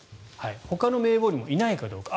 ほかの名簿にもいないかどうか。